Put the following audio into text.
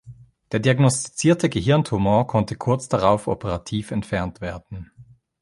Der diagnostizierte Gehirntumor konnte kurz darauf operativ entfernt werden.